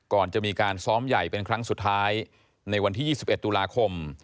ก่อนจะมีการซ้อมใหญ่เป็นครั้งสุดท้ายในวันที่๒๑ตุลาคม